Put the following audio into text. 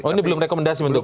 oh ini belum rekomendasi untuk